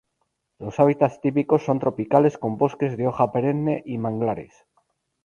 Los hábitats típicos son tropicales con bosques de hoja perenne y manglares.